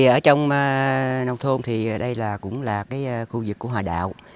ở trong nông thôn thì đây cũng là khu vực của hòa đạo